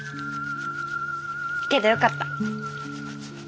けどよかった。